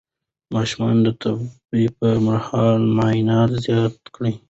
د ماشوم د تبه پر مهال مايعات زيات کړئ.